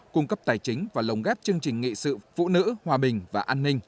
cung cấp tài chính và lồng ghép chương trình nghị sự phụ nữ hòa bình và an ninh